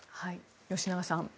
吉永さん